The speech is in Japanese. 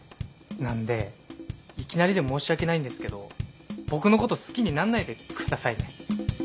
なんでいきなりで申し訳ないんですけど僕のこと好きになんないで下さいね。